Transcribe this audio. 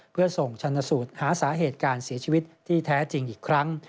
เพื่อส่งชนสูตรหาสาเหตุการเสียชีวิตที่แท้จริงอีกครั้ง